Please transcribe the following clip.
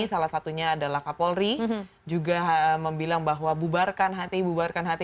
salah satunya adalah kapolri juga membilang bahwa bubarkan hti bubarkan hati